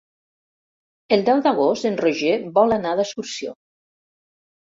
El deu d'agost en Roger vol anar d'excursió.